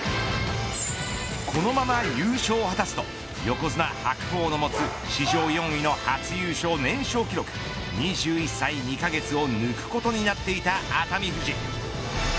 このまま優勝を果たすと横綱、白鵬が持つ史上４位の初優勝年少記録２１歳２カ月を抜くことになっていた熱海富士。